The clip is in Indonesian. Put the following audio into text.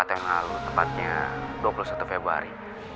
empat tahun lalu tepatnya dua puluh satu februari